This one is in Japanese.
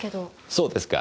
そうですか。